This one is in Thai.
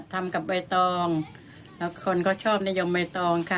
ทำกับใบตองแล้วคนเขาชอบนิยมใบตองค่ะ